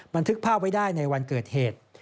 บันทึกภาพไว้ได้ในวันเกิดเหตุ